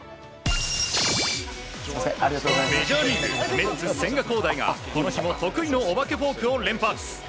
メジャーリーグメッツ、千賀滉大が今年も得意のお化けフォークを連発。